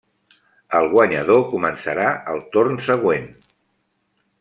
El guanyador començarà el torn següent.